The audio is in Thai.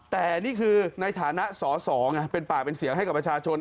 แต่นี่คือในฐานะสอสอเป็นปากเป็นเสียงให้กับประชาชน